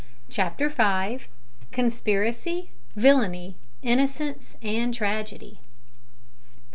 CHAPTER FIVE. CONSPIRACY AND VILLAINY, INNOCENCE AND TRAGEDY.